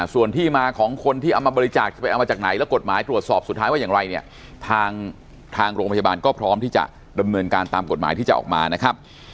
ส่วนที่มาของคนที่เอามาบริจาคจะไปเอามาจากไหนแล้วกฎหมายตรวจสอบสุดท้ายว่าอย่างไรเนี่ยทางทางโรงพยาบาลก็พร้อมที่จะดำเนินการตามกฎหมายที่จะออกมานะครับ